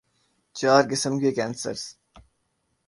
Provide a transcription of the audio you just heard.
چار قسم کے کینسر